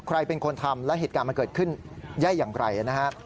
ใครเป็นคนทำและเหตุการณ์มันเกิดขึ้นได้อย่างไรนะฮะ